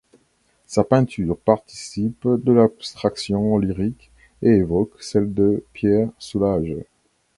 Sa peinture, participe de l'abstraction-lyrique et évoque celle de Pierre Soulages.